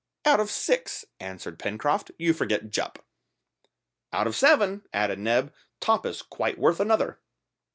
"Out of six," answered Pencroft; "you forget Jup." "Out of seven," added Neb; "Top is quite worth another."